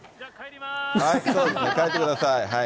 帰ってください。